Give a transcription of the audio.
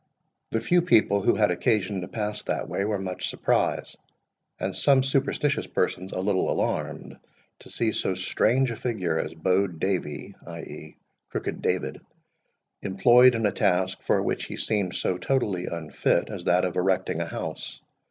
The few people who had occasion to pass that way were much surprised, and some superstitious persons a little alarmed, to see so strange a figure as Bow'd Davie (i.e. Crooked David) employed in a task, for which he seemed so totally unfit, as that of erecting a house.